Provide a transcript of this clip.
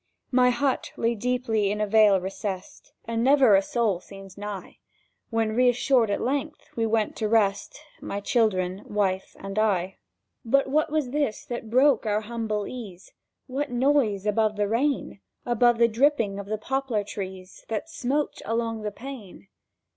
My hut lay deeply in a vale recessed, And never a soul seemed nigh When, reassured at length, we went to rest— My children, wife, and I. But what was this that broke our humble ease? What noise, above the rain, Above the dripping of the poplar trees That smote along the pane?